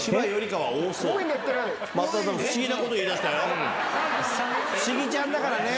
・不思議ちゃんだからね。